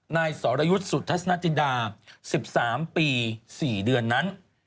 นายสรยุทธสุทธาสนาจิดาสิบสามปีสี่เดือนนั้น